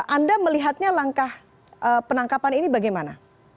anda melihatnya langkah penangkapan ini bagaimana